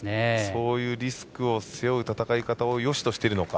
そういうリスクをとる戦いをよしとしているのか。